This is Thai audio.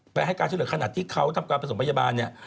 ให้การช่วยเหลือขนาดที่เขาทำการผสมพยาบาลเนี่ย